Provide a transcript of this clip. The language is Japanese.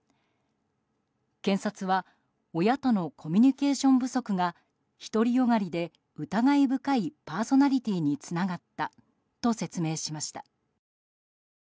検察は親とのコミュニケーション不足が独りよがりで疑い深いパーソナリティーにつながったと説明しました。